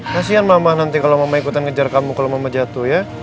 kasian mama nanti kalau mama ikutan ngejar kamu kalau mama jatuh ya